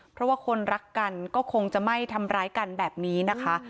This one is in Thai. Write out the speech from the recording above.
เพราะว่าคนรักกันก็คงจะไม่ทำร้ายกันแบบนี้นะคะ